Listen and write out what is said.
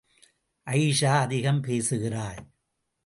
அயீஷா அதிகம் பேசுகிறாள்.